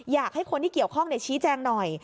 อยากให้คนที่เกี่ยวข้องชี้แจงหน่อย